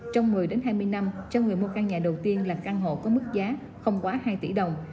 trong một mươi hai mươi năm cho người mua căn nhà đầu tiên là căn hộ có mức giá không quá hai tỷ đồng